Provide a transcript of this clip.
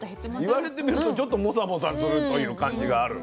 言われてみるとちょっとモサモサするという感じがある。